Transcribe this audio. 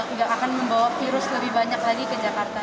nggak akan membawa virus lebih banyak lagi ke jakarta